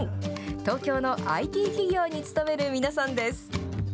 東京のＩＴ企業に勤める皆さんです。